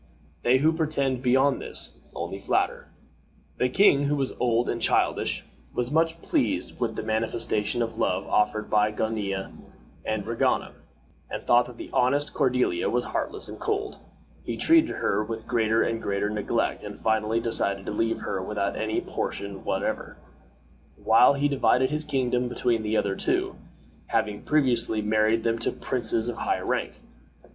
They who pretend beyond this only flatter." The king, who was old and childish, was much pleased with the manifestation of love offered by Gonilla and Regana, and thought that the honest Cordiella was heartless and cold. He treated her with greater and greater neglect and finally decided to leave her without any portion whatever, while he divided his kingdom between the other two, having previously married them to princes of high rank.